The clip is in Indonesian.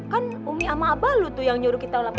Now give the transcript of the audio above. kan umi sama abalu tuh yang nyuruh kita lalu